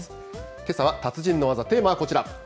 けさは達人の技、テーマはこちら。